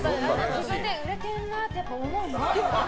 自分で売れてるなって思うの？